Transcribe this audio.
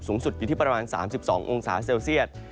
สูงสุดอยู่ที่ประมาณ๓๒องศาเซลเซียต